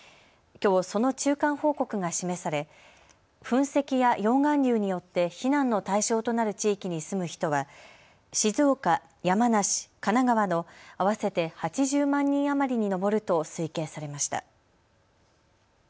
きょうその中間報告が示され噴石や溶岩流によって避難の対象となる地域に住む人は静岡、山梨、神奈川の合わせて８０万人余りに上ると推計されました。